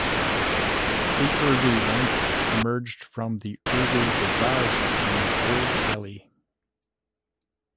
The Urdu language emerged from the Urdu Bazaar section of Old Delhi.